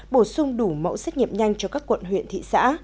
bổ sung đủ mẫu xét nghiệm nhanh cho các quận huyện thị xã